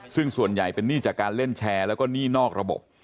ซึ่งส่วนใหญ่เป็นหนี้จากการเล่นแชร์แล้วก็หนี้นอกระบบ